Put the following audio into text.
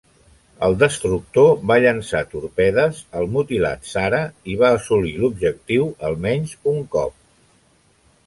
El destructor va llançar torpedes al mutilat "Zara" i va assolir l'objectiu almenys un cop.